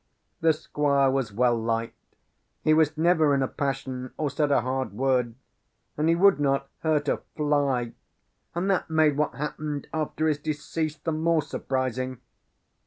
The Squire was well liked; he was never in a passion, or said a hard word; and he would not hurt a fly; and that made what happened after his decease the more surprising.